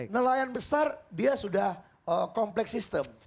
nelayan besar dia sudah kompleks sistem